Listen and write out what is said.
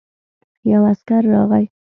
يو عسکر راغی.